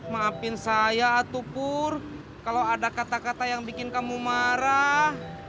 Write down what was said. maafin saya tupur kalau ada kata kata yang bikin kamu marah